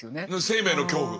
生命の恐怖。